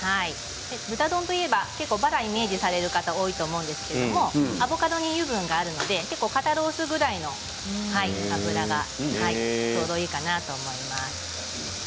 豚丼といえばバラ肉をイメージされる方も多いと思いますがアボカドに油分があるので肩ロースぐらいの脂がちょうどいいかなと思います。